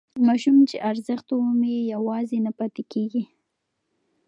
ماشوم چې ارزښت ومومي یوازې نه پاتې کېږي.